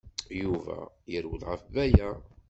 Yuba yerwel ɣef Baya.